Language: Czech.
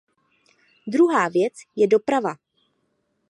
Druhá věc je doprava.